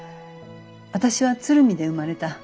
私は鶴見で生まれた。